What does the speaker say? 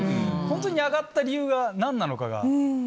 ホントに上がった理由が何なのかが。